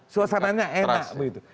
suasananya enak begitu